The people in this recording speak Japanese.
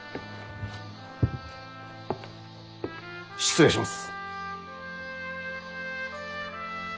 失礼します。